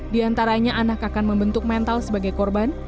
di antaranya anak akan membentuk mental sebagai korban